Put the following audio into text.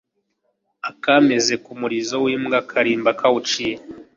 Akameze ku murizo w'imbwa karimba kawuciye.